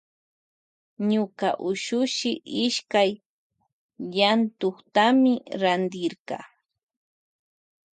Ñuka ushuhi iskay llantuktami rantirka.